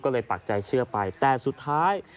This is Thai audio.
ก็เลยปักใจเชื่อไปแต่สุดท้าย